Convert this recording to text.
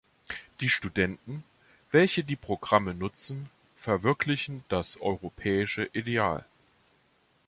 Die Studenten, welche die Programme nutzen, verwirklichen das europäische Ideal.